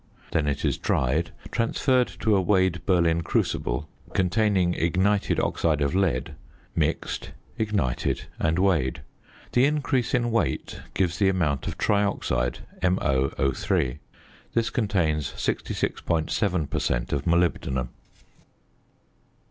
Then it is dried, transferred to a weighed Berlin crucible containing ignited oxide of lead, mixed, ignited, and weighed. The increase in weight gives the amount of trioxide, MoO_. This contains 66.7 per cent. of molybdenum.